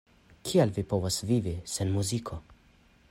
Kiel vi povas vivi sen muziko?